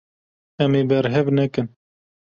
Em ê berhev nekin.